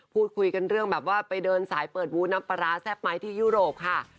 พูดคุยกันเรื่องแบบว่าไปเดินสายเปิดบูธน้ำปลาร้าแซ่บไหมที่ยุโรปค่ะ